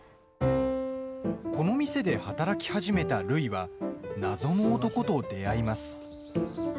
この店で働き始めたるいは謎の男と出会います。